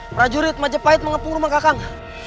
prajurit majapahit mengepung rumah kakaknya